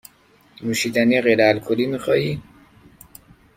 نوشیدنی غیر الکلی می خواهی؟